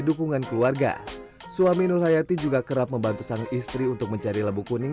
dukungan keluarga suami nurhayati juga kerap membantu sang istri untuk mencari labu kuning